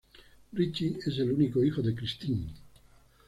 Ritchie es el único hijo de Christine.